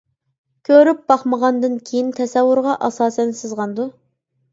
كۆرۈپ باقمىغاندىن كېيىن تەسەۋۋۇرغا ئاساسەن سىزغاندۇ.